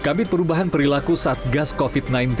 kabit perubahan perilaku satgas covid sembilan belas